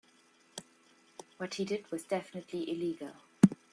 What he did was definitively illegal.